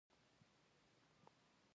تر څو د ملي باور په جوړولو کې.